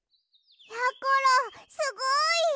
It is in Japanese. やころすごい！